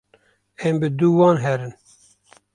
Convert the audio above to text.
em bi dû wan herin